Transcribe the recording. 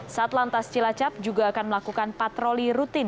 satu lantas cilacap juga akan melakukan patroli rutin